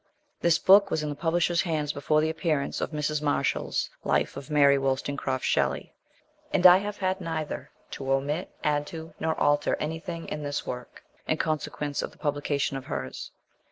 This book was in the publishers' hands before the appearance of Mrs. Marshall's Life of Mary Woll stonecraft Shelley, and I have had neither to omit, add to, nor alter anything in this work, in con sequence of the publication of hers.